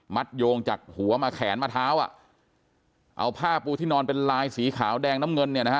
โยงจากหัวมาแขนมะเท้าอ่ะเอาผ้าปูที่นอนเป็นลายสีขาวแดงน้ำเงินเนี่ยนะฮะ